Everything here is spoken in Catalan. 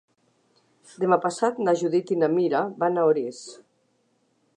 Demà passat na Judit i na Mira van a Orís.